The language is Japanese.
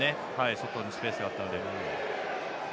外にスペースがあったので。